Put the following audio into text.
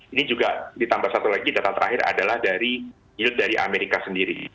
ini juga ditambah satu lagi data terakhir adalah dari yield dari amerika sendiri